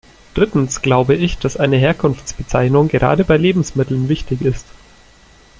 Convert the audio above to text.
Drittens glaube ich, dass eine Herkunftskennzeichnung, gerade bei Lebensmitteln, wichtig ist.